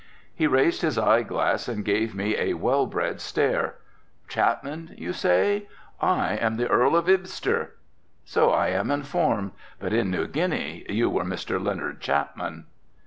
He raised his eye glass and gave me a well bred stare. "Chapman you say? I am the Earl of Ibster." "So I am informed, but in New Guinea you were Mr. Leonard Chapman."